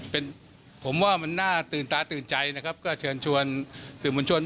ผมว่ามันน่าตื่นตาตื่นใจก็เชิญชวนสื่อมงลชน